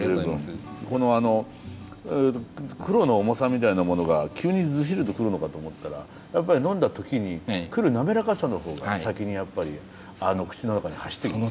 このあの黒の重さみたいなものが急にずしりとくるのかと思ったらやっぱり呑んだ時にくる滑らかさのほうが先にやっぱり口の中に走っていきます。